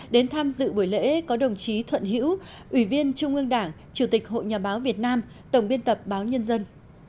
đến tham dự buổi lễ có đồng chí thuận hữu ủy viên trung ương đảng chủ tịch hội nhà báo việt nam tổng biên tập báo nhân dân